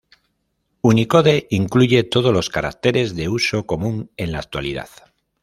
Unicode incluye todos los caracteres de uso común en la actualidad.